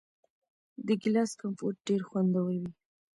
د ګیلاس کمپوټ ډیر خوندور وي.